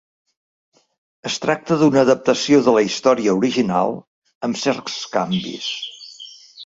Es tracta d'una adaptació de la història original, amb certs canvis.